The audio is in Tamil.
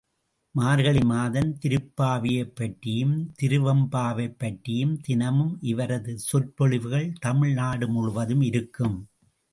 மார்கழி மாதம், திருப்பாவையைப் பற்றியும், திருவெம்பாவையைப் பற்றியும் தினமும் இவரது சொற்பொழிவுகள் தமிழ் நாடு முழுவதும் இருக்கும்.